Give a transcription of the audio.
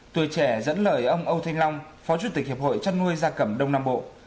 tuổi trẻ dẫn lời ông âu thanh long phó chủ tịch hiệp hội chăn nuôi gia cầm đông nam bộ